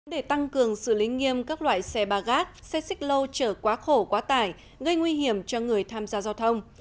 để tăng cường xử lý nghiêm các loại xe ba gác xe xích lô chở quá khổ quá tải gây nguy hiểm cho người tham gia giao thông